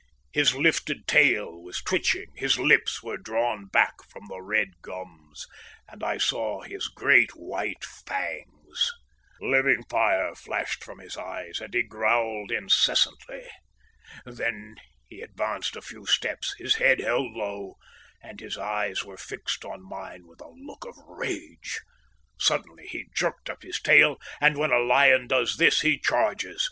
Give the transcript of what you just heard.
His lifted tail was twitching, his lips were drawn back from the red gums, and I saw his great white fangs. Living fire flashed from his eyes, and he growled incessantly. Then he advanced a few steps, his head held low; and his eyes were fixed on mine with a look of rage. Suddenly he jerked up his tail, and when a lion does this he charges.